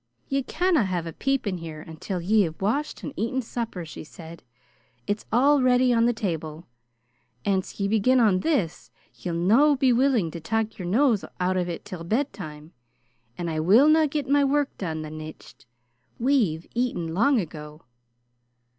"Ye canna have a peep in here until ye have washed and eaten supper," she said. "It's all ready on the table. Ance ye begin on this, ye'll no be willin' to tak' your nose o' it till bedtime, and I willna get my work done the nicht. We've eaten long ago."